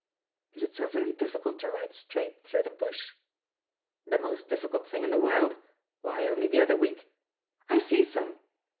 "Is it so very difficult to ride straight through the bush?" "The most difficult thing in the world. Why, only the other week " "I see some!"